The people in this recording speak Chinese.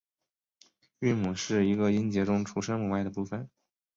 韵母是一个音节中除声母外的部分。